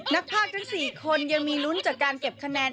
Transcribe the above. นักภาคทั้ง๔คนยังมีลุ้นจากการเก็บคะแนน